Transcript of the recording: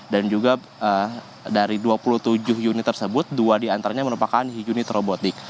dan juga dari dua puluh tujuh unit tersebut dua di antaranya merupakan unit robotik